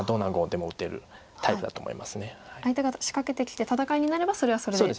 相手が仕掛けてきて戦いになればそれはそれで。